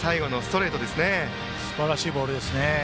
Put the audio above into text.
すばらしいボールでしたね。